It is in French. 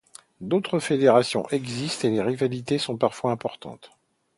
D'autres fédérations existent et les rivalités sont parfois importantes.